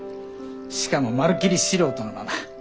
しかもまるきり素人のまま。